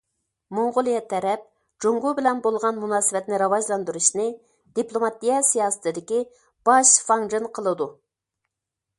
موڭغۇلىيە تەرەپ جۇڭگو بىلەن بولغان مۇناسىۋەتنى راۋاجلاندۇرۇشنى دىپلوماتىيە سىياسىتىدىكى باش فاڭجېن قىلىدۇ.